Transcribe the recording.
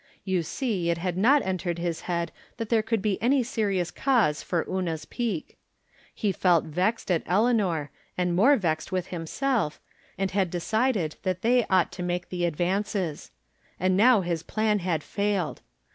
You see it had not entered his head that there could be any serious cause for Una's pique. He felt vexed at Eleanor, and more vexed with himself, and had decided that they ought to make the ad vances. And now his plan had failed.